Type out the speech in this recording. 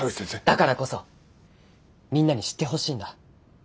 だからこそみんなに知ってほしいんだ。